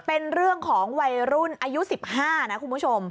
เป็นเรื่องของวัยรุ่นอายุ๑๕นะคุณผู้ชม